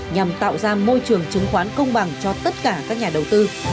nhằm tạo ra môi trường chứng khoán công bằng cho tất cả các nhà đầu tư